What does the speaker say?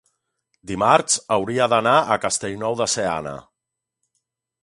dimarts hauria d'anar a Castellnou de Seana.